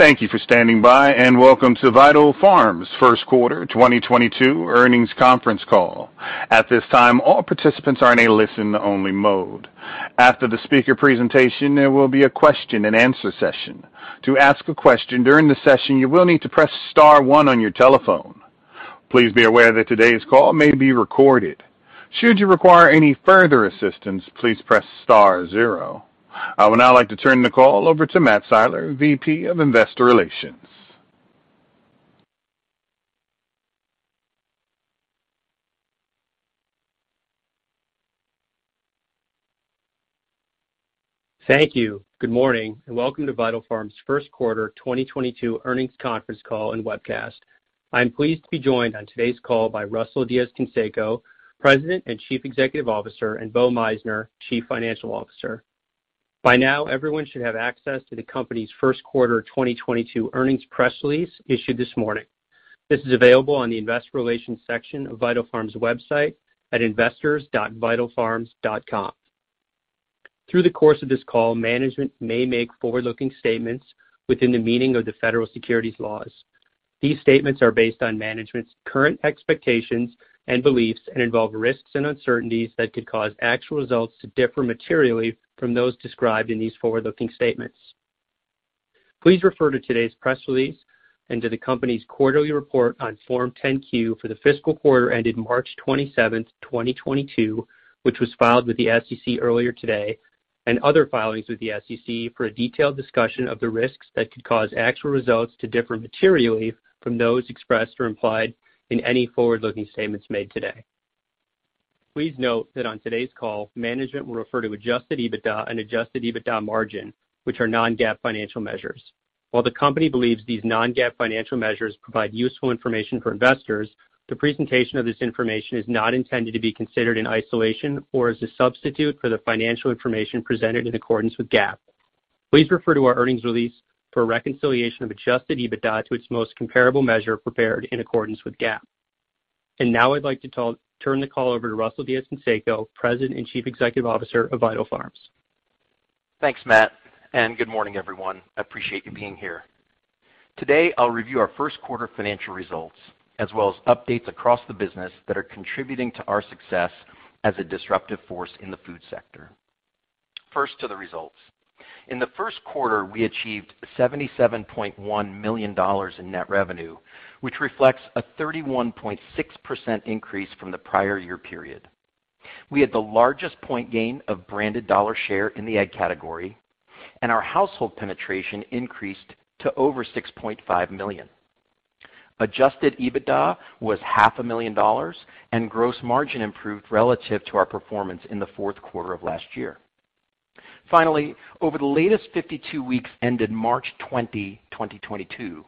Thank you for standing by and welcome to Vital Farms' Q1 2022 earnings conference call. At this time, all participants are in a listen only mode. After the speaker presentation, there will be a question and answer session. To ask a question during the session, you will need to press star one on your telephone. Please be aware that today's call may be recorded. Should you require any further assistance, please press star zero. I would now like to turn the call over to Matt Siler, VP of Investor Relations. Thank you. Good morning, and welcome to Vital Farms' Q1 2022 earnings conference call and webcast. I'm pleased to be joined on today's call by Russell Diez-Canseco, President and Chief Executive Officer, and Bo Meissner, Chief Financial Officer. By now, everyone should have access to the company's Q1 2022 earnings press release issued this morning. This is available on the investor relations section of Vital Farms' website at investors.vitalfarms.com. Through the course of this call, management may make forward-looking statements within the meaning of the federal securities laws. These statements are based on management's current expectations and beliefs and involve risks and uncertainties that could cause actual results to differ materially from those described in these forward-looking statements. Please refer to today's press release and to the company's quarterly report on Form 10-Q for the fiscal quarter ended March 27, 2022, which was filed with the SEC earlier today, and other filings with the SEC for a detailed discussion of the risks that could cause actual results to differ materially from those expressed or implied in any forward-looking statements made today. Please note that on today's call, management will refer to Adjusted EBITDA and Adjusted EBITDA margin, which are non-GAAP financial measures. While the company believes these non-GAAP financial measures provide useful information for investors, the presentation of this information is not intended to be considered in isolation or as a substitute for the financial information presented in accordance with GAAP. Please refer to our earnings release for a reconciliation of Adjusted EBITDA to its most comparable measure prepared in accordance with GAAP. Now I'd like to turn the call over to Russell Diez-Canseco, President and Chief Executive Officer of Vital Farms. Thanks, Matt, and good morning, everyone. I appreciate you being here. Today, I'll review our Q1 financial results, as well as updates across the business that are contributing to our success as a disruptive force in the food sector. First to the results. In the Q1, we achieved $77.1 million in net revenue, which reflects a 31.6% increase from the prior year period. We had the largest point gain of branded dollar share in the egg category, and our household penetration increased to over $6.5 million. Adjusted EBITDA was $500,000 and gross margin improved relative to our performance in the Q4 of last year. Finally, over the latest 52 weeks ended March 20, 2022,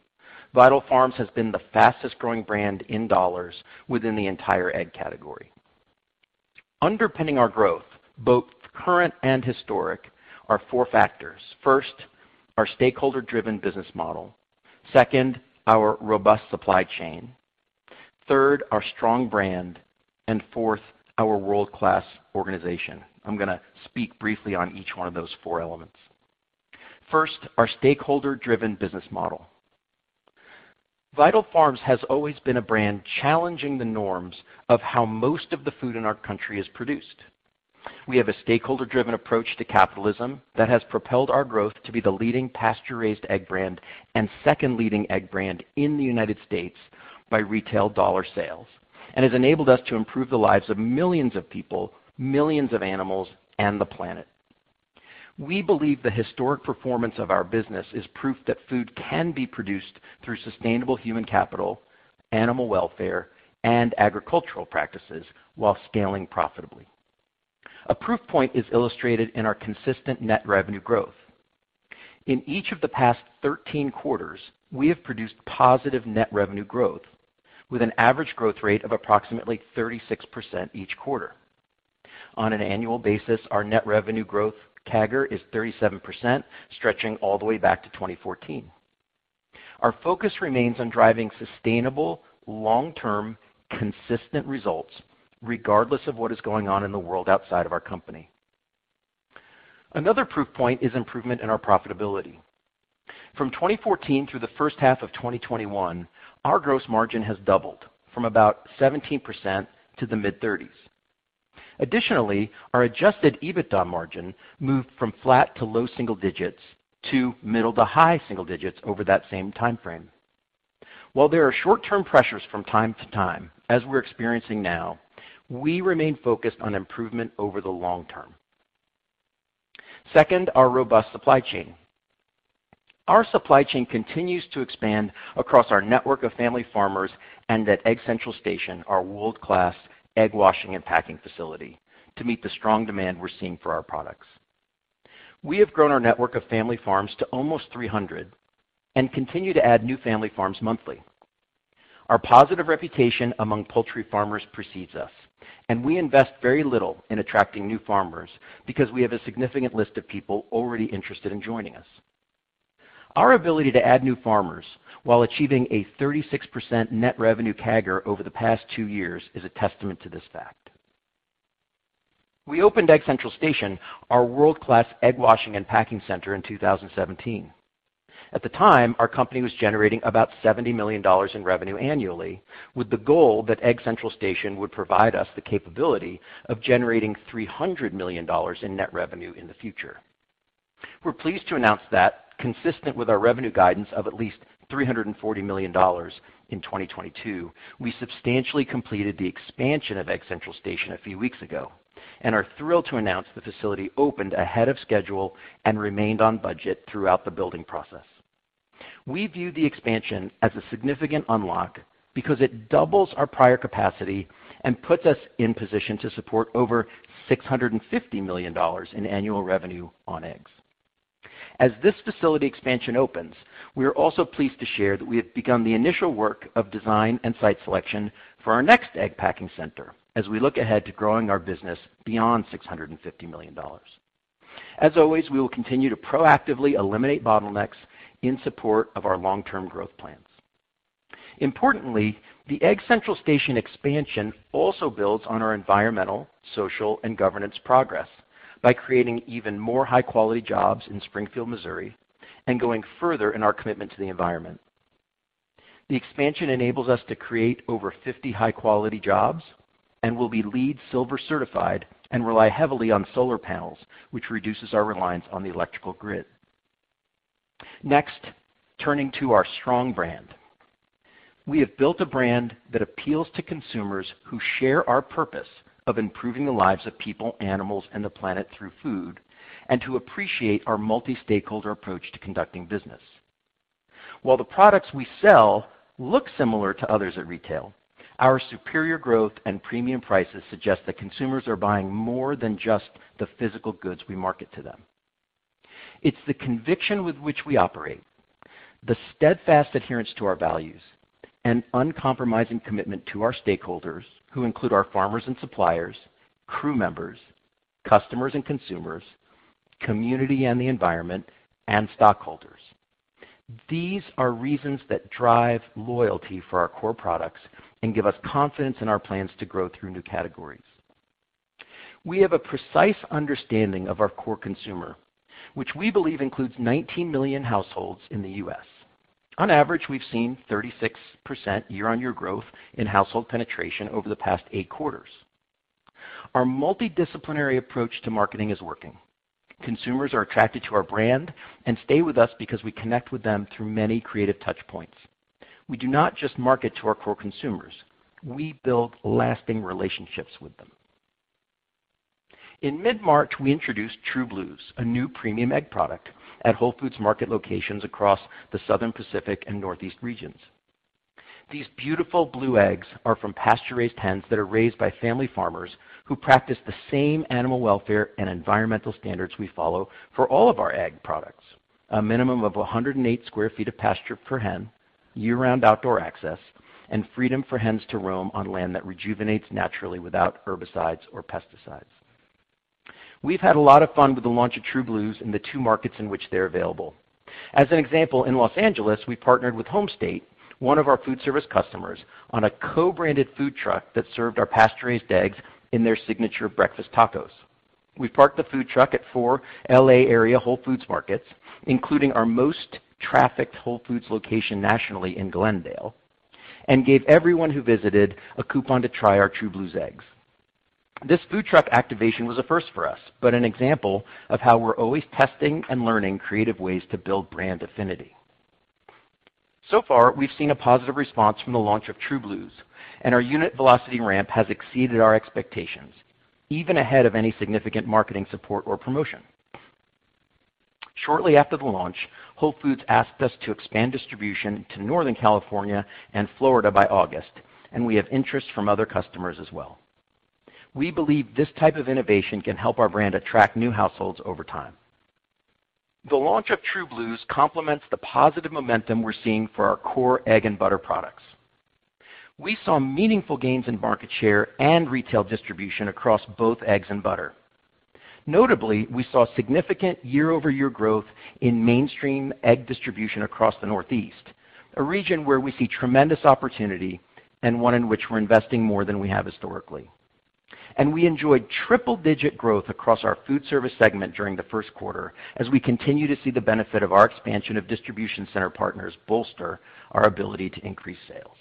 Vital Farms has been the fastest growing brand in dollars within the entire egg category. Underpinning our growth, both current and historic, are four factors. First, our stakeholder-driven business model. Second, our robust supply chain. Third, our strong brand. And fourth, our world-class organization. I'm gonna speak briefly on each one of those four elements. First, our stakeholder-driven business model. Vital Farms has always been a brand challenging the norms of how most of the food in our country is produced. We have a stakeholder-driven approach to capitalism that has propelled our growth to be the leading pasture-raised egg brand and second leading egg brand in the United States by retail dollar sales, and has enabled us to improve the lives of millions of people, millions of animals, and the planet. We believe the historic performance of our business is proof that food can be produced through sustainable human capital, animal welfare, and agricultural practices while scaling profitably. A proof point is illustrated in our consistent net revenue growth. In each of the past 13 quarters, we have produced positive net revenue growth with an average growth rate of approximately 36% each quarter. On an annual basis, our net revenue growth CAGR is 37%, stretching all the way back to 2014. Our focus remains on driving sustainable, long-term, consistent results regardless of what is going on in the world outside of our company. Another proof point is improvement in our profitability. From 2014 through the first half of 2021, our gross margin has doubled from about 17% to the mid-30s%. Additionally, our Adjusted EBITDA margin moved from flat to low single digits% to middle- to high-single digits% over that same timeframe. While there are short-term pressures from time to time, as we're experiencing now, we remain focused on improvement over the long term. Second, our robust supply chain. Our supply chain continues to expand across our network of family farmers and at Egg Central Station, our world-class egg washing and packing facility, to meet the strong demand we're seeing for our products. We have grown our network of family farms to almost 300 and continue to add new family farms monthly. Our positive reputation among poultry farmers precedes us, and we invest very little in attracting new farmers because we have a significant list of people already interested in joining us. Our ability to add new farmers while achieving a 36% net revenue CAGR over the past two years is a testament to this fact. We opened Egg Central Station, our world-class egg washing and packing center, in 2017. At the time, our company was generating about $70 million in revenue annually, with the goal that Egg Central Station would provide us the capability of generating $300 million in net revenue in the future. We're pleased to announce that consistent with our revenue guidance of at least $340 million in 2022, we substantially completed the expansion of Egg Central Station a few weeks ago and are thrilled to announce the facility opened ahead of schedule and remained on budget throughout the building process. We view the expansion as a significant unlock because it doubles our prior capacity and puts us in position to support over $650 million in annual revenue on eggs. As this facility expansion opens, we are also pleased to share that we have begun the initial work of design and site selection for our next egg packing center as we look ahead to growing our business beyond $650 million. As always, we will continue to proactively eliminate bottlenecks in support of our long-term growth plans. Importantly, the Egg Central Station expansion also builds on our environmental, social, and governance progress by creating even more high-quality jobs in Springfield, Missouri, and going further in our commitment to the environment. The expansion enables us to create over 50 high-quality jobs and will be LEED Silver certified and rely heavily on solar panels, which reduces our reliance on the electrical grid. Next, turning to our strong brand. We have built a brand that appeals to consumers who share our purpose of improving the lives of people, animals, and the planet through food, and who appreciate our multi-stakeholder approach to conducting business. While the products we sell look similar to others at retail, our superior growth and premium prices suggest that consumers are buying more than just the physical goods we market to them. It's the conviction with which we operate, the steadfast adherence to our values, and uncompromising commitment to our stakeholders, who include our farmers and suppliers, crew members, customers and consumers, community and the environment, and stockholders. These are reasons that drive loyalty for our core products and give us confidence in our plans to grow through new categories. We have a precise understanding of our core consumer, which we believe includes 19 million households in the U.S. On average, we've seen 36% year-on-year growth in household penetration over the past eight quarters. Our multidisciplinary approach to marketing is working. Consumers are attracted to our brand and stay with us because we connect with them through many creative touch points. We do not just market to our core consumers. We build lasting relationships with them. In mid-March, we introduced True Blues, a new premium egg product, at Whole Foods Market locations across the Southern Pacific and Northeast regions. These beautiful blue eggs are from pasture-raised hens that are raised by family farmers who practice the same animal welfare and environmental standards we follow for all of our egg products. A minimum of 108 sq ft of pasture per hen, year-round outdoor access, and freedom for hens to roam on land that rejuvenates naturally without herbicides or pesticides. We've had a lot of fun with the launch of True Blues in the two markets in which they're available. As an example, in Los Angeles, we partnered with HomeState, one of our food service customers, on a co-branded food truck that served our pasture-raised eggs in their signature breakfast tacos. We parked the food truck at four L.A. area Whole Foods Markets, including our most trafficked Whole Foods location nationally in Glendale, and gave everyone who visited a coupon to try our True Blues eggs. This food truck activation was a first for us, but an example of how we're always testing and learning creative ways to build brand affinity. So far, we've seen a positive response from the launch of True Blues, and our unit velocity ramp has exceeded our expectations, even ahead of any significant marketing support or promotion. Shortly after the launch, Whole Foods asked us to expand distribution to Northern California and Florida by August, and we have interest from other customers as well. We believe this type of innovation can help our brand attract new households over time. The launch of True Blues complements the positive momentum we're seeing for our core egg and butter products. We saw meaningful gains in market share and retail distribution across both eggs and butter. Notably, we saw significant year-over-year growth in mainstream egg distribution across the Northeast, a region where we see tremendous opportunity and one in which we're investing more than we have historically. We enjoyed triple-digit growth across our food service segment during the Q1 as we continue to see the benefit of our expansion of distribution center partners bolster our ability to increase sales.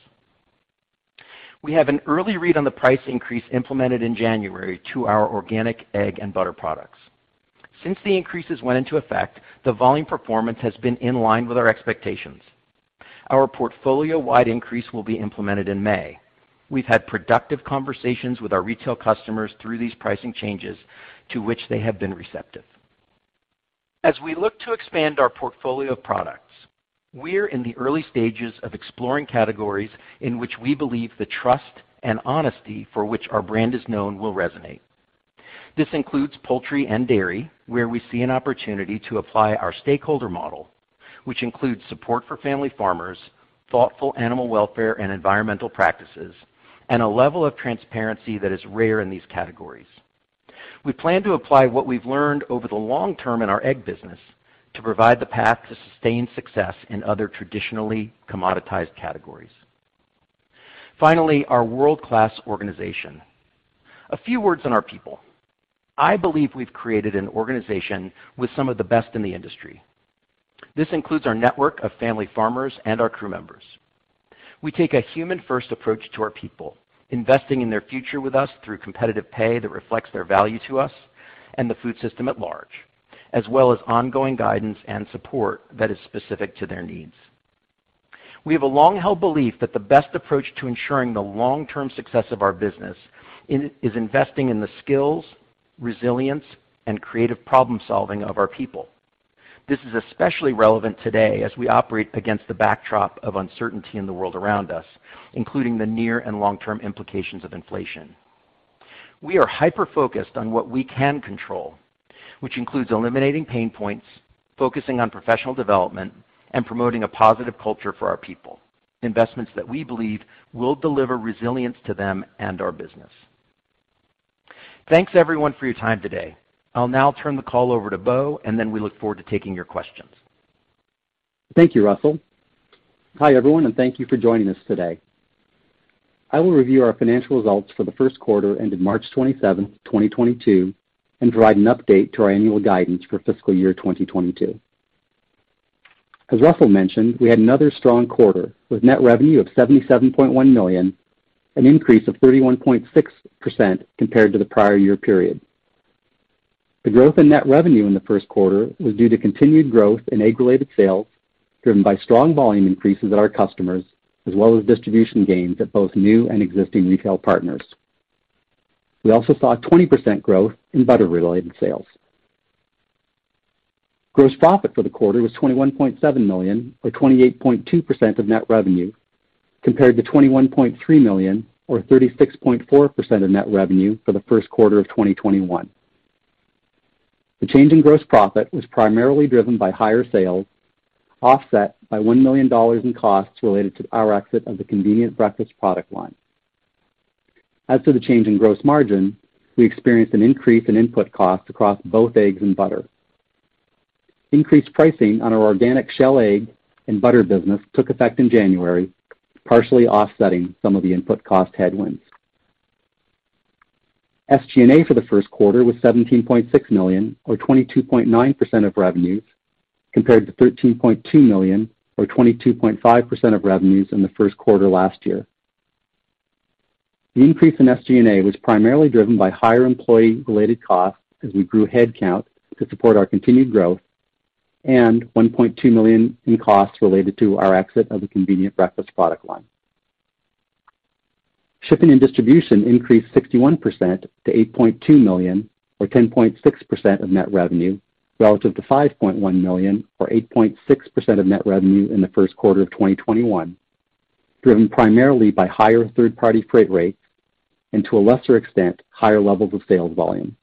We have an early read on the price increase implemented in January to our organic egg and butter products. Since the increases went into effect, the volume performance has been in line with our expectations. Our portfolio-wide increase will be implemented in May. We've had productive conversations with our retail customers through these pricing changes to which they have been receptive. As we look to expand our portfolio of products, we're in the early stages of exploring categories in which we believe the trust and honesty for which our brand is known will resonate. This includes poultry and dairy, where we see an opportunity to apply our stakeholder model, which includes support for family farmers, thoughtful animal welfare and environmental practices, and a level of transparency that is rare in these categories. We plan to apply what we've learned over the long term in our egg business to provide the path to sustained success in other traditionally commoditized categories. Finally, our world-class organization. A few words on our people. I believe we've created an organization with some of the best in the industry. This includes our network of family farmers and our crew members. We take a human first approach to our people, investing in their future with us through competitive pay that reflects their value to us and the food system at large, as well as ongoing guidance and support that is specific to their needs. We have a long-held belief that the best approach to ensuring the long-term success of our business is investing in the skills, resilience, and creative problem-solving of our people. This is especially relevant today as we operate against the backdrop of uncertainty in the world around us, including the near and long-term implications of inflation. We are hyper-focused on what we can control, which includes eliminating pain points, focusing on professional development, and promoting a positive culture for our people, investments that we believe will deliver resilience to them and our business. Thanks everyone for your time today. I'll now turn the call over to Bo, and then we look forward to taking your questions. Thank you, Russell. Hi, everyone, and thank you for joining us today. I will review our financial results for the Q1 ended March 27, 2022, and provide an update to our annual guidance for fiscal year 2022. As Russell mentioned, we had another strong quarter, with net revenue of $77.1 million, an increase of 31.6% compared to the prior year period. The growth in net revenue in the Q1 was due to continued growth in egg-related sales, driven by strong volume increases at our customers, as well as distribution gains at both new and existing retail partners. We also saw a 20% growth in butter-related sales. Gross profit for the quarter was $21.7 million, or 28.2% of net revenue, compared to $21.3 million, or 36.4% of net revenue for the Q1 of 2021. The change in gross profit was primarily driven by higher sales, offset by $1 million in costs related to our exit of the Breakfast Bars product line. As for the change in gross margin, we experienced an increase in input costs across both eggs and butter. Increased pricing on our organic shell egg and butter business took effect in January, partially offsetting some of the input cost headwinds. SG&A for the Q1 was $17.6 million, or 22.9% of revenues, compared to $13.2 million, or 22.5% of revenues in the Q1 last year. The increase in SG&A was primarily driven by higher employee-related costs as we grew headcount to support our continued growth and $1.2 million in costs related to our exit of the Convenient Breakfast product line. Shipping and distribution increased 61% to $8.2 million, or 10.6% of net revenue, relative to $5.1 million, or 8.6% of net revenue in the Q1 of 2021, driven primarily by higher third-party freight rates and, to a lesser extent, higher levels of sales volume.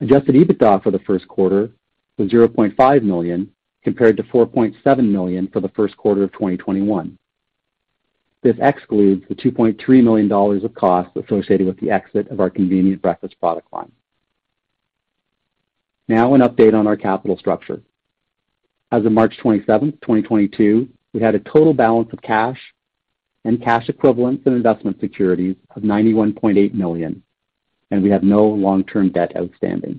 Adjusted EBITDA for the Q1 was $0.5 million, compared to $4.7 million for the Q1 of 2021. This excludes the $2.3 million of costs associated with the exit of our convenient breakfast product line. Now an update on our capital structure. As of March 27, 2022, we had a total balance of cash and cash equivalents in investment securities of $91.8 million, and we have no long-term debt outstanding.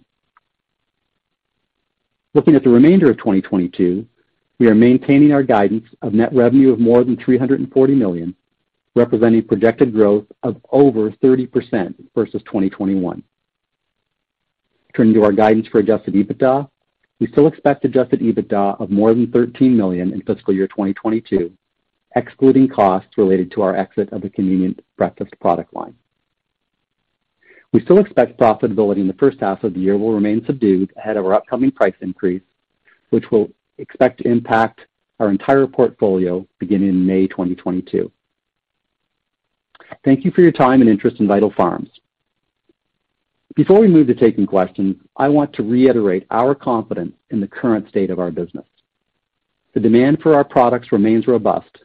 Looking at the remainder of 2022, we are maintaining our guidance of net revenue of more than $340 million, representing projected growth of over 30% versus 2021. Turning to our guidance for Adjusted EBITDA, we still expect Adjusted EBITDA of more than $13 million in fiscal year 2022, excluding costs related to our exit of the convenient breakfast product line. We still expect profitability in the first half of the year will remain subdued ahead of our upcoming price increase, which we'll expect to impact our entire portfolio beginning in May 2022. Thank you for your time and interest in Vital Farms. Before we move to taking questions, I want to reiterate our confidence in the current state of our business. The demand for our products remains robust,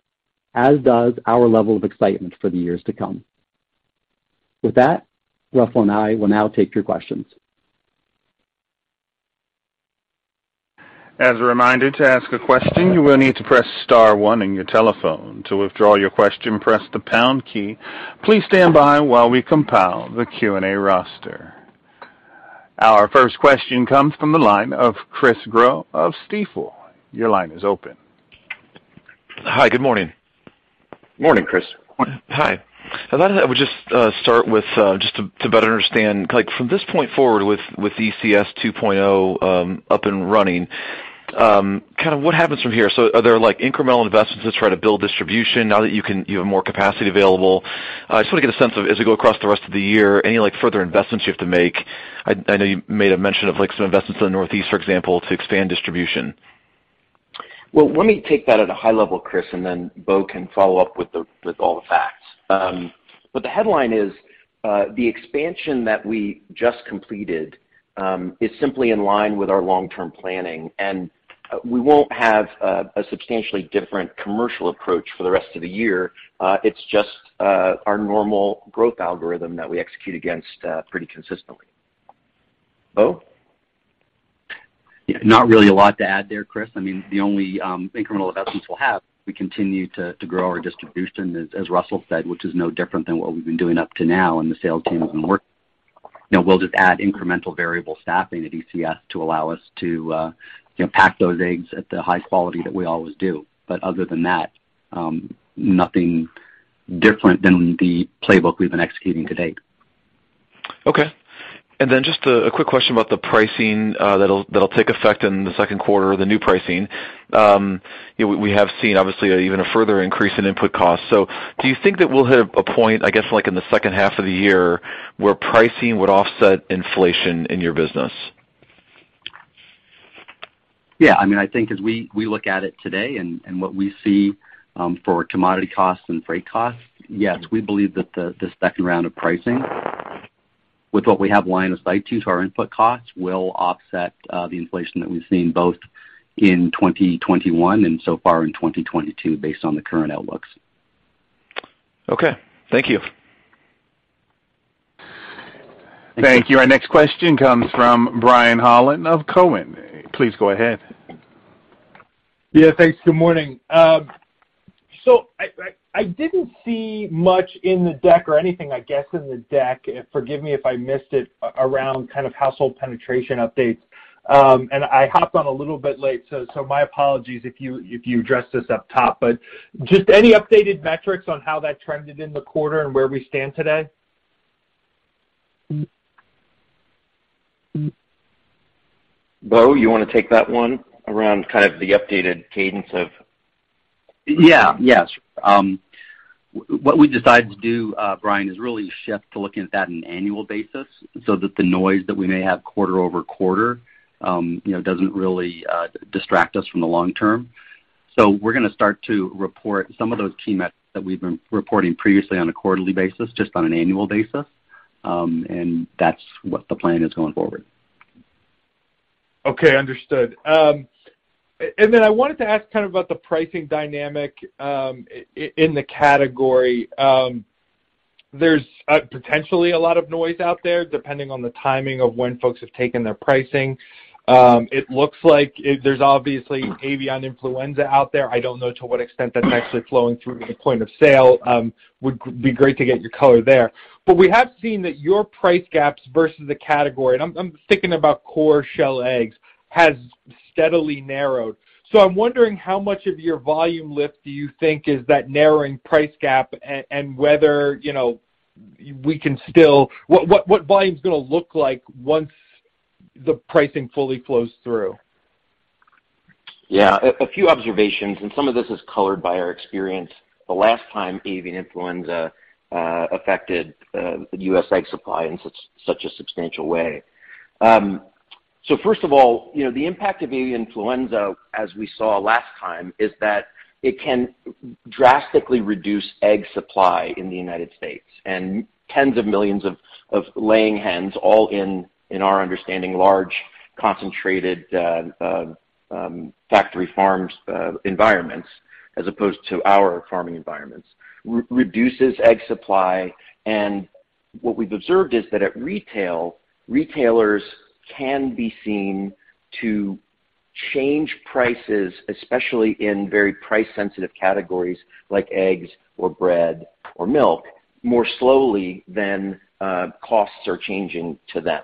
as does our level of excitement for the years to come. With that, Russell and I will now take your questions. As a reminder, to ask a question, you will need to press star one on your telephone. To withdraw your question, press the pound key. Please stand by while we compile the Q&A roster. Our first question comes from the line of Chris Growe of Stifel. Your line is open. Hi. Good morning. Morning, Chris. Hi. I thought I would just start with just to better understand like from this point forward with ECS 2.0 up and running kind of what happens from here? Are there like incremental investments to try to build distribution now that you have more capacity available? I just wanna get a sense of as we go across the rest of the year, any like further investments you have to make. I know you made a mention of like some investments in the Northeast, for example, to expand distribution. Well, let me take that at a high level, Chris, and then Bo can follow up with all the facts. But the headline is, the expansion that we just completed is simply in line with our long-term planning, and we won't have a substantially different commercial approach for the rest of the year. It's just our normal growth algorithm that we execute against pretty consistently. Bo? Yeah, not really a lot to add there, Chris. I mean, the only incremental investments we'll have, we continue to grow our distribution as Russell said, which is no different than what we've been doing up to now and the sales teams and work. You know, we'll just add incremental variable staffing at ECS to allow us to you know, pack those eggs at the high quality that we always do. Other than that, nothing different than the playbook we've been executing to date. Okay. Just a quick question about the pricing, that'll take effect in the Q2, the new pricing. You know, we have seen obviously an even further increase in input costs. Do you think that we'll hit a point, I guess, like in the second half of the year where pricing would offset inflation in your business? Yeah. I mean, I think as we look at it today and what we see for commodity costs and freight costs, yes, we believe that the second round of pricing with what we have line of sight to our input costs will offset the inflation that we've seen both in 2021 and so far in 2022 based on the current outlooks. Okay. Thank you. Thank you. Our next question comes from Brian Holland of Cowen. Please go ahead. Yeah, thanks. Good morning. I didn't see much in the deck or anything, I guess, in the deck. Forgive me if I missed it, around kind of household penetration updates. I hopped on a little bit late, so my apologies if you addressed this up top. Just any updated metrics on how that trended in the quarter and where we stand today? Bo, you wanna take that one around kind of the updated cadence of? What we decided to do, Brian, is really shift to looking at that on an annual basis so that the noise that we may have quarter-over-quarter, you know, doesn't really distract us from the long term. We're gonna start to report some of those key metrics that we've been reporting previously on a quarterly basis, just on an annual basis. That's what the plan is going forward. Okay. Understood. Then I wanted to ask kind of about the pricing dynamic in the category. There's potentially a lot of noise out there depending on the timing of when folks have taken their pricing. There's obviously avian influenza out there. I don't know to what extent that's actually flowing through to the point of sale. Would be great to get your color there. We have seen that your price gaps versus the category, and I'm thinking about core shell eggs, has steadily narrowed. I'm wondering how much of your volume lift do you think is that narrowing price gap and whether, you know, we can still. What volume's gonna look like once the pricing fully flows through? Yeah. A few observations, and some of this is colored by our experience the last time avian influenza affected the U.S. egg supply in such a substantial way. So first of all, you know, the impact of avian influenza as we saw last time is that it can drastically reduce egg supply in the United States, and tens of millions of laying hens all in our understanding large concentrated factory farms environments as opposed to our farming environments reduces egg supply. What we've observed is that at retail, retailers can be seen to change prices, especially in very price sensitive categories like eggs or bread or milk, more slowly than costs are changing to them.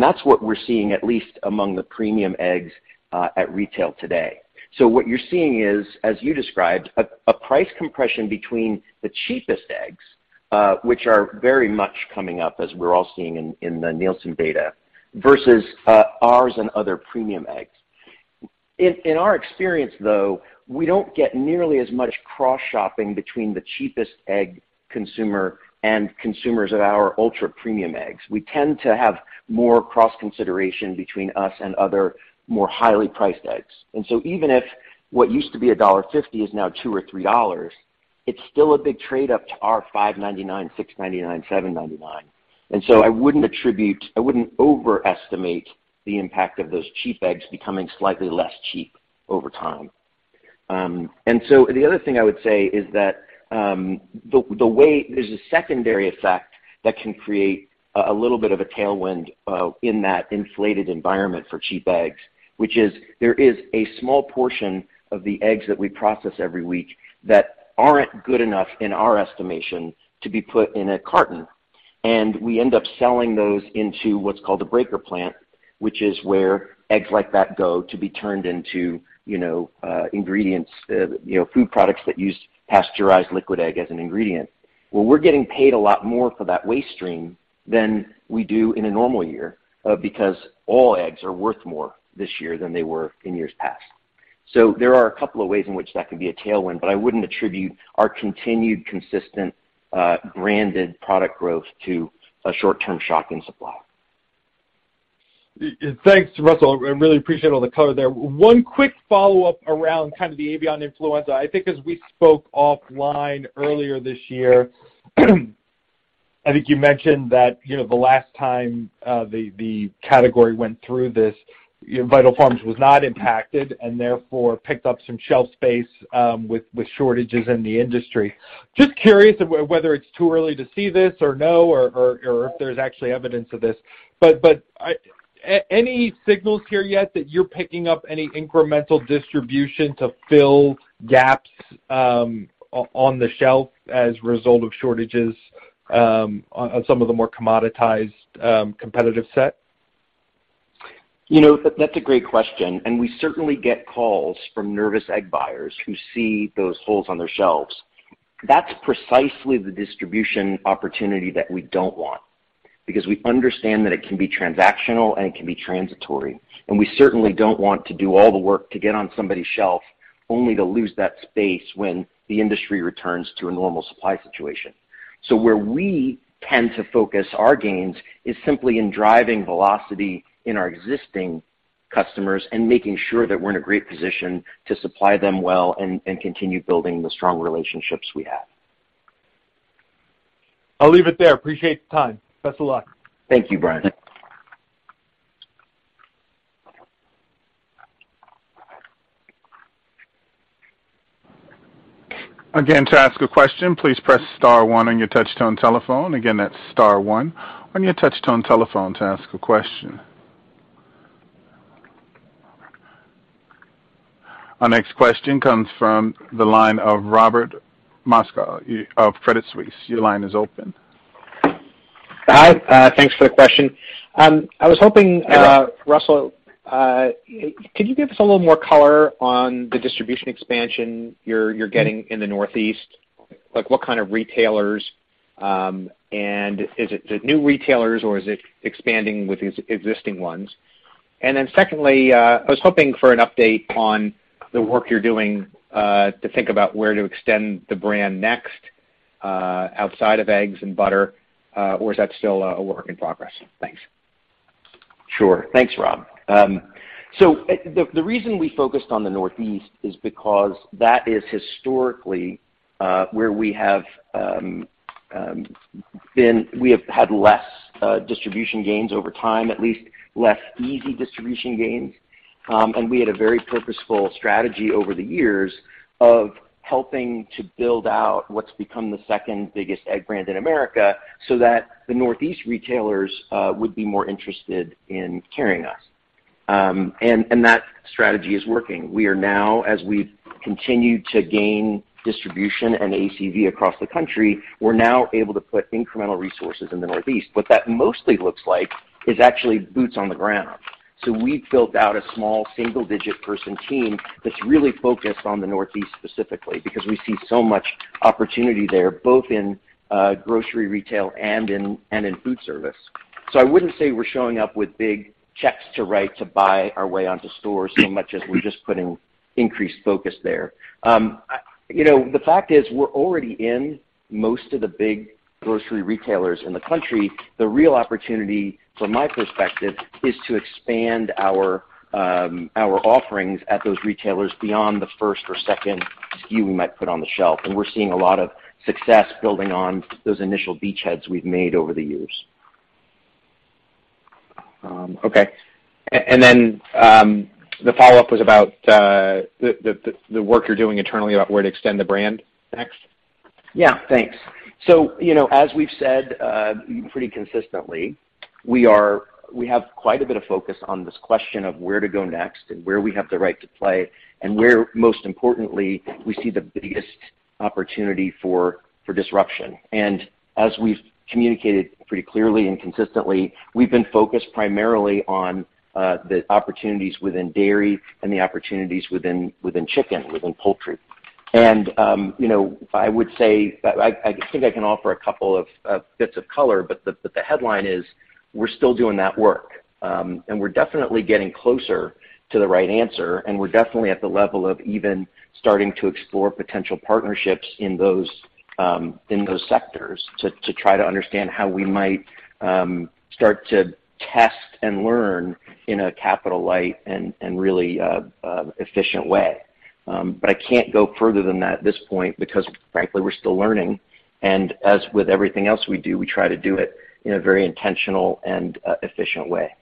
That's what we're seeing at least among the premium eggs at retail today. What you're seeing is, as you described, a price compression between the cheapest eggs, which are very much coming up as we're all seeing in the Nielsen data versus ours and other premium eggs. In our experience though, we don't get nearly as much cross shopping between the cheapest egg consumer and consumers of our ultra premium eggs. We tend to have more cross consideration between us and other more highly priced eggs. Even if what used to be $1.50 is now $2 or $3, it's still a big trade up to our $5.99, $6.99, $7.99. I wouldn't overestimate the impact of those cheap eggs becoming slightly less cheap over time. The other thing I would say is that the way there's a secondary effect that can create a little bit of a tailwind in that inflated environment for cheap eggs, which is there is a small portion of the eggs that we process every week that aren't good enough in our estimation to be put in a carton, and we end up selling those into what's called a breaker plant, which is where eggs like that go to be turned into, you know, ingredients, you know, food products that use pasteurized liquid egg as an ingredient, where we're getting paid a lot more for that waste stream than we do in a normal year, because all eggs are worth more this year than they were in years past. There are a couple of ways in which that could be a tailwind, but I wouldn't attribute our continued consistent, branded product growth to a short-term shock in supply. Thanks, Russell. I really appreciate all the color there. One quick follow-up around kind of the avian influenza. I think as we spoke offline earlier this year, I think you mentioned that, you know, the last time the category went through this, you know, Vital Farms was not impacted and therefore picked up some shelf space with shortages in the industry. Just curious whether it's too early to see this or no or if there's actually evidence of this. Any signals here yet that you're picking up any incremental distribution to fill gaps on the shelf as a result of shortages on some of the more commoditized competitive set? You know, that's a great question, and we certainly get calls from nervous egg buyers who see those holes on their shelves. That's precisely the distribution opportunity that we don't want because we understand that it can be transactional and it can be transitory. We certainly don't want to do all the work to get on somebody's shelf only to lose that space when the industry returns to a normal supply situation. Where we tend to focus our gains is simply in driving velocity in our existing customers and making sure that we're in a great position to supply them well and continue building the strong relationships we have. I'll leave it there. Appreciate the time. Best of luck. Thank you, Brian. Again, to ask a question, please press star one on your touch-tone telephone. Again, that's star one on your touch-tone telephone to ask a question. Our next question comes from the line of Robert Moskow of Credit Suisse. Your line is open. Hi, thanks for the question. I was hoping, Russell, could you give us a little more color on the distribution expansion you're getting in the Northeast? Like, what kind of retailers, and is it the new retailers or is it expanding with existing ones? Secondly, I was hoping for an update on the work you're doing to think about where to extend the brand next, outside of eggs and butter, or is that still a work in progress? Thanks. Sure. Thanks, Rob. The reason we focused on the Northeast is because that is historically where we have had less distribution gains over time, at least less easy distribution gains. We had a very purposeful strategy over the years of helping to build out what's become the second biggest egg brand in America so that the Northeast retailers would be more interested in carrying us. That strategy is working. We are now, as we've continued to gain distribution and ACV across the country, able to put incremental resources in the Northeast. What that mostly looks like is actually boots on the ground. We've built out a small single-digit person team that's really focused on the Northeast specifically because we see so much opportunity there, both in grocery retail and in food service. I wouldn't say we're showing up with big checks to write to buy our way onto stores so much as we're just putting increased focus there. You know, the fact is we're already in most of the big grocery retailers in the country. The real opportunity from my perspective is to expand our offerings at those retailers beyond the first or second SKU we might put on the shelf. We're seeing a lot of success building on those initial beachheads we've made over the years. Okay. The follow-up was about the work you're doing internally about where to extend the brand next. Yeah. Thanks. You know, as we've said pretty consistently, we have quite a bit of focus on this question of where to go next and where we have the right to play and where, most importantly, we see the biggest opportunity for disruption. As we've communicated pretty clearly and consistently, we've been focused primarily on the opportunities within dairy and the opportunities within chicken within poultry. You know, I would say, I think I can offer a couple of bits of color, but the headline is we're still doing that work. We're definitely getting closer to the right answer, and we're definitely at the level of even starting to explore potential partnerships in those sectors to try to understand how we might start to test and learn in a capital light and really efficient way. I can't go further than that at this point because frankly, we're still learning. As with everything else we do, we try to do it in a very intentional and efficient way.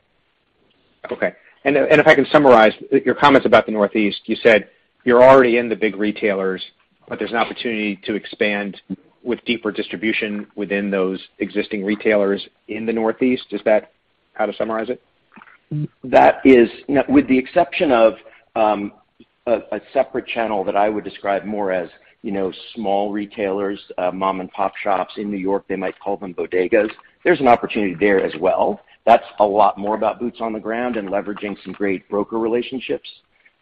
Okay. If I can summarize your comments about the Northeast, you said you're already in the big retailers, but there's an opportunity to expand with deeper distribution within those existing retailers in the Northeast. Is that how to summarize it? That is with the exception of a separate channel that I would describe more as, you know, small retailers, mom and pop shops in New York, they might call them bodegas. There's an opportunity there as well. That's a lot more about boots on the ground and leveraging some great broker relationships.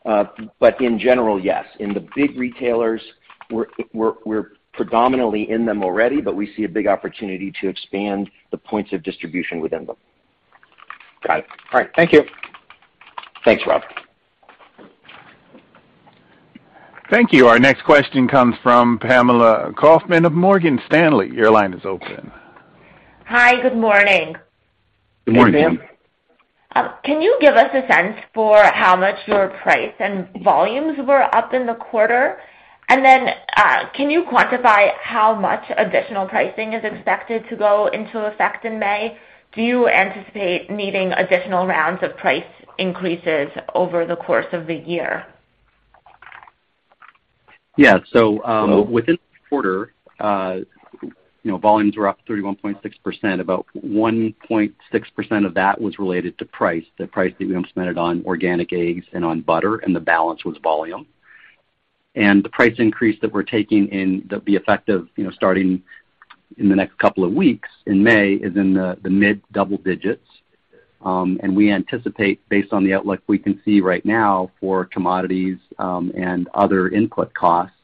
In general, yes, in the big retailers we're predominantly in them already, but we see a big opportunity to expand the points of distribution within them. Got it. All right. Thank you. Thanks, Rob. Thank you. Our next question comes from Pamela Kaufman of Morgan Stanley. Your line is open. Hi. Good morning. Good morning. Can you give us a sense for how much your price and volumes were up in the quarter? Can you quantify how much additional pricing is expected to go into effect in May? Do you anticipate needing additional rounds of price increases over the course of the year? Yeah. Within the quarter, you know, volumes were up 31.6%. About 1.6% of that was related to price, the price that we implemented on organic eggs and on butter, and the balance was volume. The price increase that we're taking in, that'll be effective, you know, starting in the next couple of weeks in May, is in the mid double digits. We anticipate based on the outlook we can see right now for commodities, and other input costs,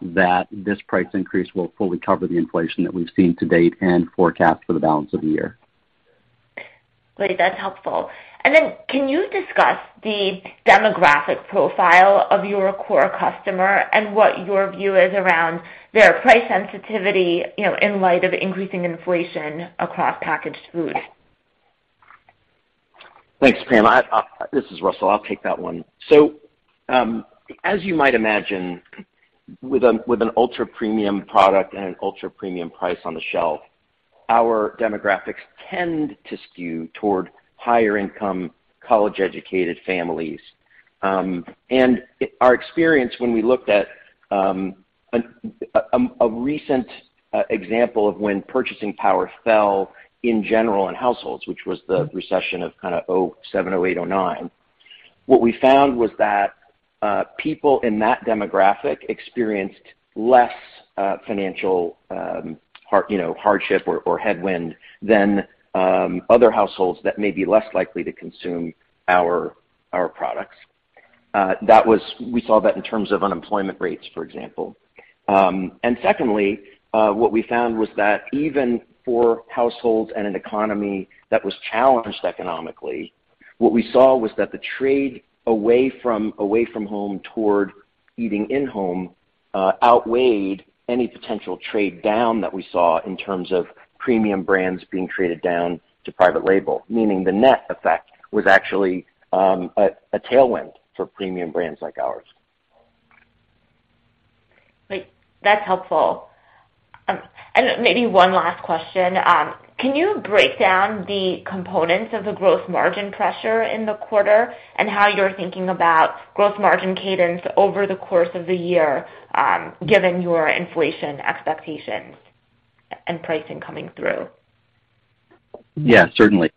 that this price increase will fully cover the inflation that we've seen to date and forecast for the balance of the year. Great. That's helpful. Can you discuss the demographic profile of your core customer and what your view is around their price sensitivity, you know, in light of increasing inflation across packaged food? Thanks, Pam. This is Russell, I'll take that one. As you might imagine, with an ultra premium product and an ultra premium price on the shelf, our demographics tend to skew toward higher income, college-educated families. Our experience when we looked at a recent example of when purchasing power fell in general in households, which was the recession of kind of 2007, 2008, 2009, what we found was that people in that demographic experienced less financial, you know, hardship or headwind than other households that may be less likely to consume our products. We saw that in terms of unemployment rates, for example. Secondly, what we found was that even for households and an economy that was challenged economically, what we saw was that the trade away from home toward eating in home outweighed any potential trade down that we saw in terms of premium brands being traded down to private label, meaning the net effect was actually a tailwind for premium brands like ours. Great. That's helpful. Maybe one last question. Can you break down the components of the gross margin pressure in the quarter and how you're thinking about gross margin cadence over the course of the year, given your inflation expectations and pricing coming through? Yeah, certainly.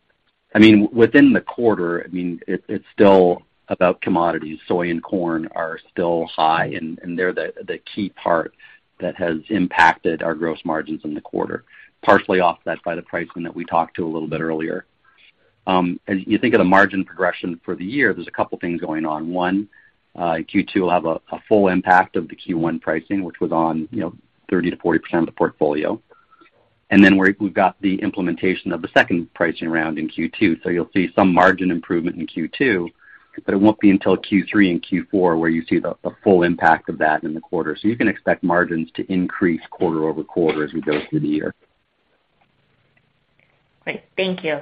I mean, within the quarter, it's still about commodities. Soy and corn are still high, and they're the key part that has impacted our gross margins in the quarter, partially offset by the pricing that we talked to a little bit earlier. As you think of the margin progression for the year, there's a couple things going on. One, in Q2 we'll have a full impact of the Q1 pricing, which was on 30%-40% of the portfolio. We've got the implementation of the second pricing round in Q2. You'll see some margin improvement in Q2, but it won't be until Q3 and Q4 where you see the full impact of that in the quarter. You can expect margins to increase quarter-over-quarter as we go through the year. Great. Thank you.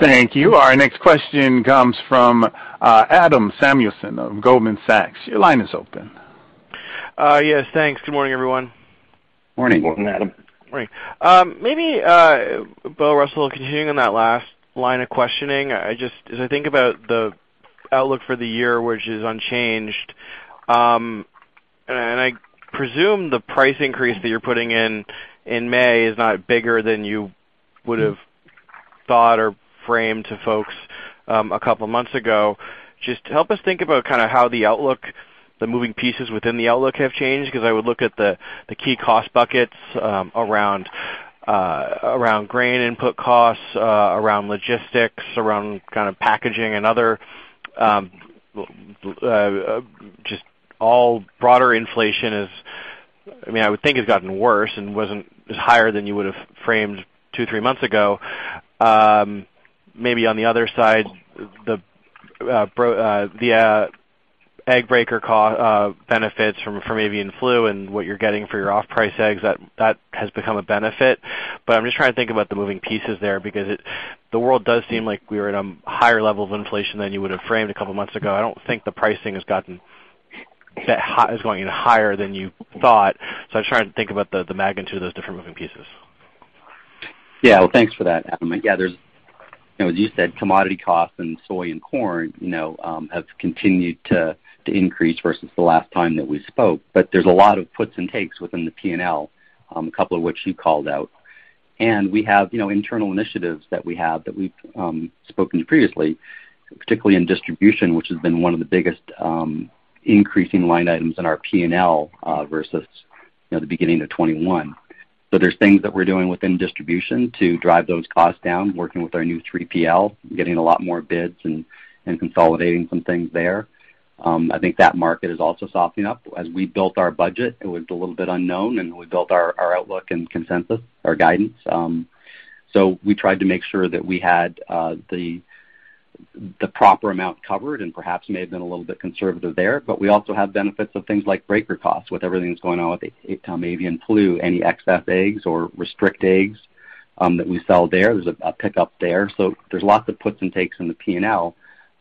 Thank you. Our next question comes from Adam Samuelson of Goldman Sachs. Your line is open. Yes, thanks. Good morning, everyone. Morning. Morning, Adam. Morning. Maybe Bo, Russell, continuing on that last line of questioning, as I think about the outlook for the year, which is unchanged, and I presume the price increase that you're putting in in May is not bigger than you would've thought or framed to folks a couple months ago. Just help us think about kinda how the outlook, the moving pieces within the outlook have changed. 'Cause I would look at the key cost buckets around grain input costs, around logistics, around kinda packaging and other just all broader inflation. I mean, I would think has gotten worse and wasn't as high as you would've framed two, three months ago. Maybe on the other side, the egg breaker companies benefits from avian flu and what you're getting for your off-price eggs, that has become a benefit. But I'm just trying to think about the moving pieces there because the world does seem like we are at a higher level of inflation than you would've framed a couple months ago. I don't think the pricing has gotten that high, is going higher than you thought. I was trying to think about the magnitude of those different moving pieces. Yeah. Well, thanks for that, Adam. Yeah, there's, you know, as you said, commodity costs and soy and corn, you know, have continued to increase versus the last time that we spoke, but there's a lot of puts and takes within the P&L, a couple of which you called out. We have, you know, internal initiatives that we've spoken to previously, particularly in distribution, which has been one of the biggest increasing line items in our P&L versus, you know, the beginning of 2021. There's things that we're doing within distribution to drive those costs down, working with our new 3PL, getting a lot more bids and consolidating some things there. I think that market is also softening up. As we built our budget, it was a little bit unknown and we built our outlook and consensus, our guidance. We tried to make sure that we had the proper amount covered and perhaps may have been a little bit conservative there. We also have benefits of things like breaker costs with everything that's going on with the avian flu, any excess eggs or reject eggs that we sell there. There's a pickup there. There's lots of puts and takes in the P&L.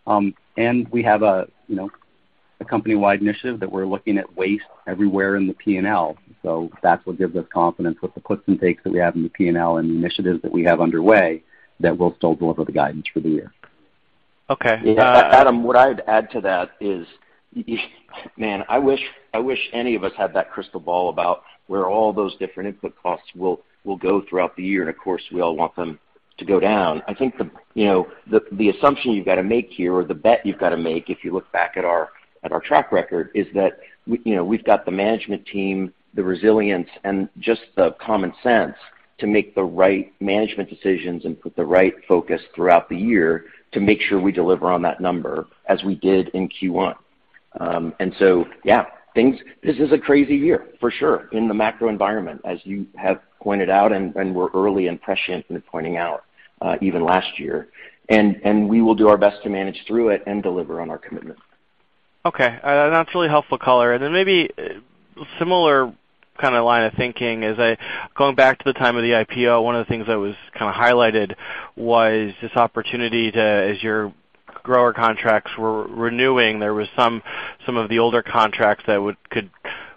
We have a, you know- A company-wide initiative that we're looking at waste everywhere in the P&L. That's what gives us confidence with the puts and takes that we have in the P&L and the initiatives that we have underway that we'll still deliver the guidance for the year. Okay. Adam, what I'd add to that is, man, I wish any of us had that crystal ball about where all those different input costs will go throughout the year. Of course, we all want them to go down. I think you know, the assumption you've got to make here or the bet you've got to make, if you look back at our track record, is that, you know, we've got the management team, the resilience, and just the common sense to make the right management decisions and put the right focus throughout the year to make sure we deliver on that number as we did in Q1. Yeah, things. This is a crazy year for sure in the macro environment, as you have pointed out, and we're early and prescient in pointing out, even last year. We will do our best to manage through it and deliver on our commitment. Okay. That's really helpful color. Then maybe similar kinda line of thinking is going back to the time of the IPO, one of the things that was kinda highlighted was this opportunity to, as your grower contracts were renewing, there was some of the older contracts that could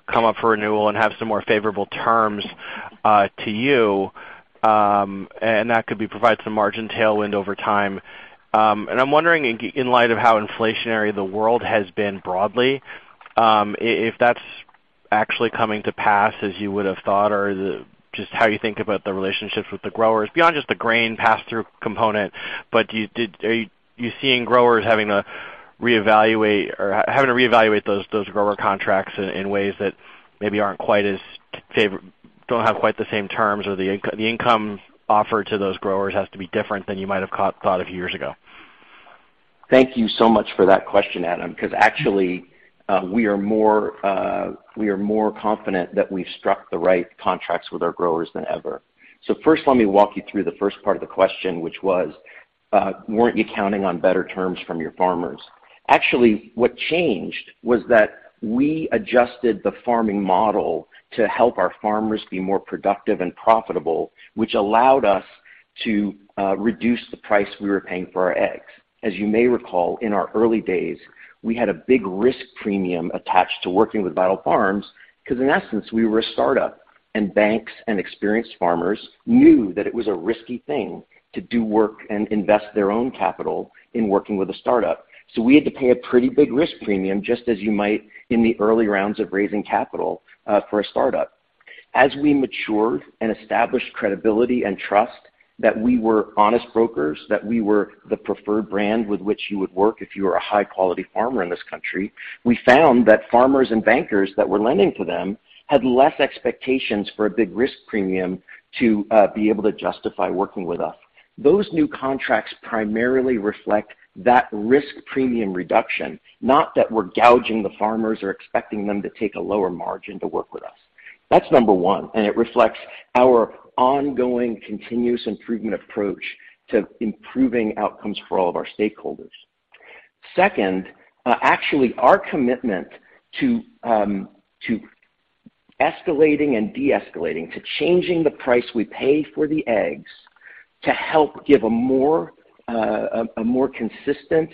come up for renewal and have some more favorable terms to you, and that could provide some margin tailwind over time. I'm wondering in light of how inflationary the world has been broadly, if that's actually coming to pass as you would have thought or just how you think about the relationships with the growers. Beyond just the grain pass-through component, but do you. Are you seeing growers having to reevaluate those grower contracts in ways that maybe don't have quite the same terms or the income offered to those growers has to be different than you might have thought a few years ago? Thank you so much for that question, Adam, because actually, we are more confident that we've struck the right contracts with our growers than ever. First, let me walk you through the first part of the question, which was, weren't you counting on better terms from your farmers? Actually, what changed was that we adjusted the farming model to help our farmers be more productive and profitable, which allowed us to reduce the price we were paying for our eggs. As you may recall, in our early days, we had a big risk premium attached to working with Vital Farms because in essence, we were a startup and banks and experienced farmers knew that it was a risky thing to do work and invest their own capital in working with a startup. We had to pay a pretty big risk premium, just as you might in the early rounds of raising capital, for a startup. As we matured and established credibility and trust that we were honest brokers, that we were the preferred brand with which you would work if you were a high-quality farmer in this country, we found that farmers and bankers that were lending to them had less expectations for a big risk premium to, be able to justify working with us. Those new contracts primarily reflect that risk premium reduction, not that we're gouging the farmers or expecting them to take a lower margin to work with us. That's number one, and it reflects our ongoing continuous improvement approach to improving outcomes for all of our stakeholders. Second, actually, our commitment to escalating and de-escalating, to changing the price we pay for the eggs to help give a more consistent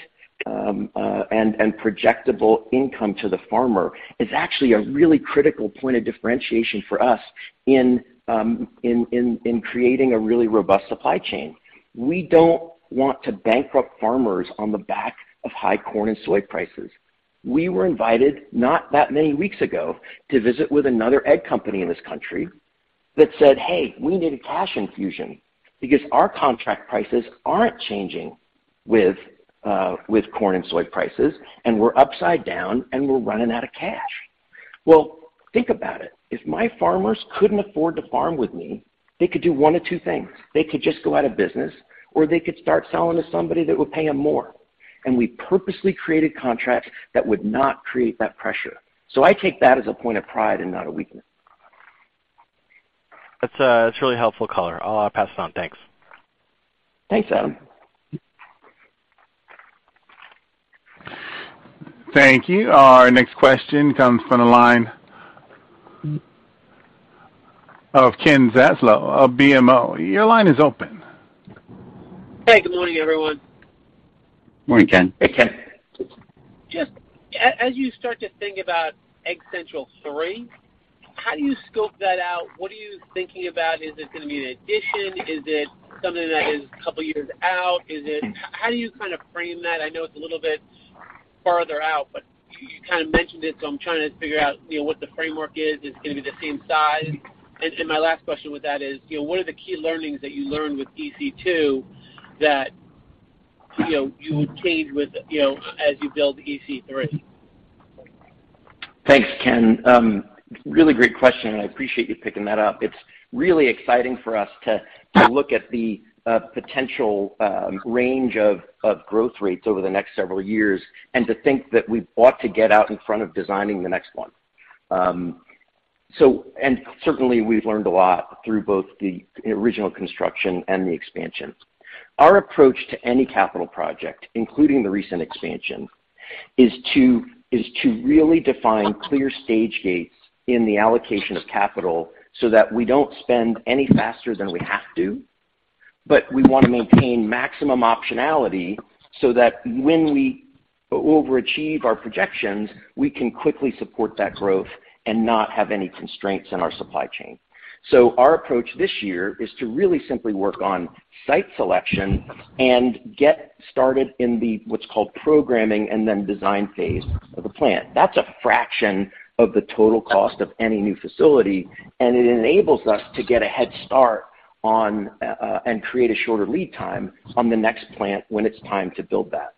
and projectable income to the farmer is actually a really critical point of differentiation for us in creating a really robust supply chain. We don't want to bankrupt farmers on the back of high corn and soy prices. We were invited not that many weeks ago to visit with another egg company in this country that said, "Hey, we need a cash infusion because our contract prices aren't changing with corn and soy prices, and we're upside down and we're running out of cash." Well, think about it. If my farmers couldn't afford to farm with me, they could do one of two things. They could just go out of business, or they could start selling to somebody that would pay them more. We purposely created contracts that would not create that pressure. I take that as a point of pride and not a weakness. That's really helpful color. I'll pass it on. Thanks. Thanks, Adam. Thank you. Our next question comes from the line of Ken Zaslow of BMO. Your line is open. Hey, good morning, everyone. Morning, Ken. Hey, Ken. Just as you start to think about Egg Central Three, how do you scope that out? What are you thinking about? Is it gonna be an addition? Is it something that is a couple of years out? Is it how do you kinda frame that? I know it's a little bit farther out, but you kinda mentioned it, so I'm trying to figure out, you know, what the framework is. Is it gonna be the same size? And my last question with that is, you know, what are the key learnings that you learned with EC two that, you know, you would change with, you know, as you build EC three? Thanks, Ken. Really great question, and I appreciate you picking that up. It's really exciting for us to look at the potential range of growth rates over the next several years and to think that we ought to get out in front of designing the next one. Certainly, we've learned a lot through both the original construction and the expansion. Our approach to any capital project, including the recent expansion, is to really define clear stage gates in the allocation of capital so that we don't spend any faster than we have to. We wanna maintain maximum optionality so that when we overachieve our projections, we can quickly support that growth and not have any constraints in our supply chain. Our approach this year is to really simply work on site selection and get started in the what's called programming and then design phase of the plant. That's a fraction of the total cost of any new facility, and it enables us to get a head start on and create a shorter lead time on the next plant when it's time to build that.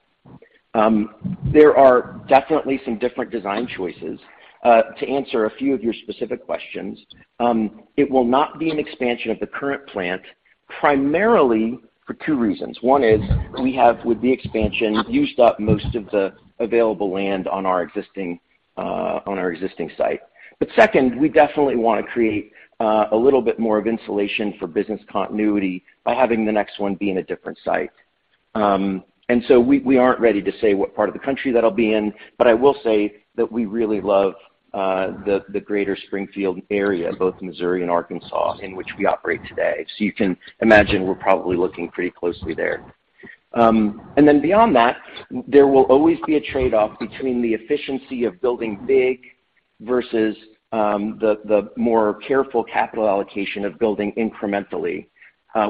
There are definitely some different design choices. To answer a few of your specific questions, it will not be an expansion of the current plant primarily for two reasons. One is we have, with the expansion, used up most of the available land on our existing site. Second, we definitely wanna create a little bit more of insulation for business continuity by having the next one be in a different site. We aren't ready to say what part of the country that'll be in, but I will say that we really love the greater Springfield area, both Missouri and Arkansas, in which we operate today. You can imagine we're probably looking pretty closely there. Beyond that, there will always be a trade-off between the efficiency of building big versus the more careful capital allocation of building incrementally.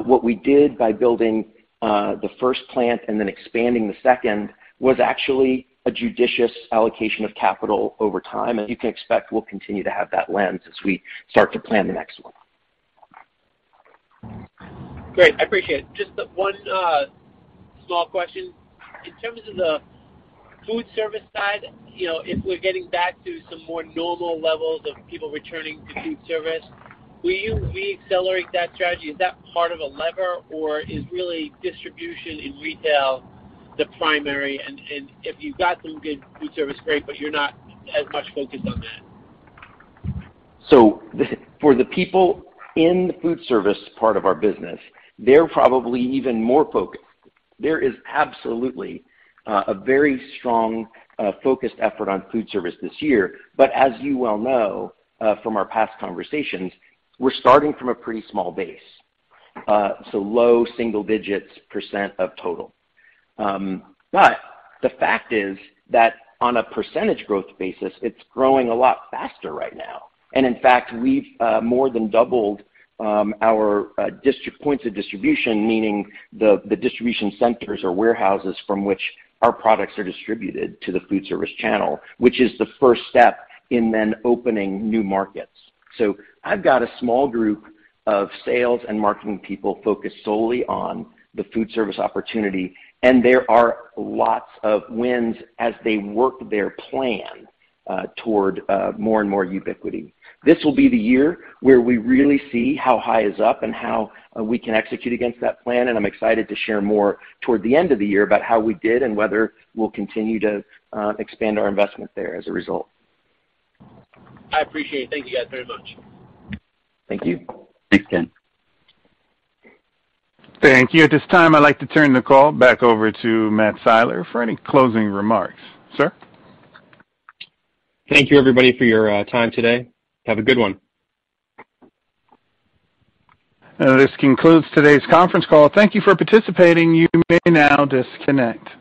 What we did by building the first plant and then expanding the second was actually a judicious allocation of capital over time. You can expect we'll continue to have that lens as we start to plan the next one. Great. I appreciate it. Just one small question. In terms of the food service side, you know, if we're getting back to some more normal levels of people returning to food service, will you re-accelerate that strategy? Is that part of a lever, or is really distribution in retail the primary? And if you've got some good food service, great, but you're not as much focused on that. For the people in the food service part of our business, they're probably even more focused. There is absolutely a very strong focused effort on food service this year. As you well know, from our past conversations, we're starting from a pretty small base, so low single digits% of total. The fact is that on a percentage growth basis, it's growing a lot faster right now. In fact, we've more than doubled our points of distribution, meaning the distribution centers or warehouses from which our products are distributed to the food service channel, which is the first step in then opening new markets. I've got a small group of sales and marketing people focused solely on the food service opportunity, and there are lots of wins as they work their plan toward more and more ubiquity. This will be the year where we really see how high is up and how we can execute against that plan, and I'm excited to share more toward the end of the year about how we did and whether we'll continue to expand our investment there as a result. I appreciate it. Thank you guys very much. Thank you. Thanks, Ken. Thank you. At this time, I'd like to turn the call back over to Matt Siler for any closing remarks. Sir? Thank you everybody for your time today. Have a good one. This concludes today's conference call. Thank you for participating. You may now disconnect.